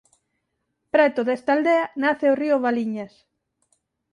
Preto desta aldea nace o río Valiñas.